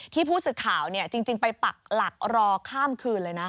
ที่ผู้สึกข่าวเนี่ยจริงไปปักหลักรอข้ามคืนเลยนะ